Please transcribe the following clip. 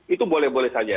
itu boleh boleh saja